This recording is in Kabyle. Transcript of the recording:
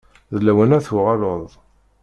D lawan ad tuɣaleḍ.